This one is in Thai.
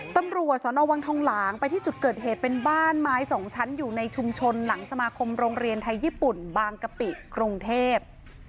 ตำรวจสนวังทองหลางไปที่จุดเกิดเหตุเป็นบ้านไม้สองชั้นอยู่ในชุมชนหลังสมาคมโรงเรียนไทยญี่ปุ่นบางกะปิกรุงเทพ